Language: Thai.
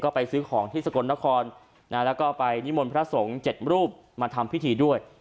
ไปซื้อของที่สกลนครแล้วก็ไปนิมนต์พระสงฆ์๗รูปมาทำพิธีด้วย